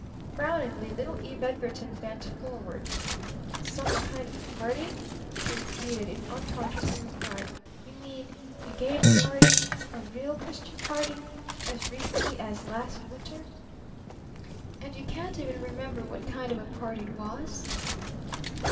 Frowningly little Eve Edgarton bent forward. "'Some kind of a party?'" she repeated in unconscious mimicry. "You mean you gave a party? A real Christian party? As recently as last winter? And you can't even remember what kind of a party it was?"